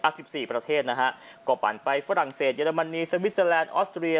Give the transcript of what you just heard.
สิบสี่ประเทศนะฮะก็ปั่นไปฝรั่งเศสเยอรมนีสวิสเตอร์แลนดออสเตรีย